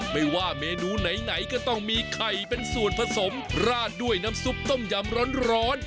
ไม่ว่าเมนูไหนก็ต้องมีไข่เป็นส่วนผสมราดด้วยน้ำซุปต้มยำร้อน